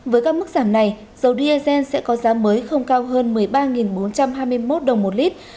với các mức giảm này dầu diesel sẽ có giá mới không cao hơn một mươi ba bốn trăm hai mươi một đồng một lít